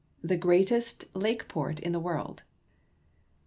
THE GREATEST LAKE PORT IN THE WORLD.